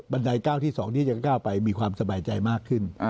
ใด๙ที่๒ที่จะก้าวไปมีความสบายใจมากขึ้น